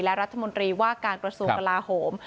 และรัฐมนตรีว่าการกระทรวงกลาโหม